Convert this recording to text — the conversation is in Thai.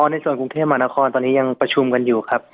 ในส่วนกรุงเทพมหานครตอนนี้ยังประชุมกันอยู่ครับ